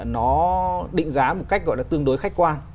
nó định giá một cách gọi là tương đối khách quan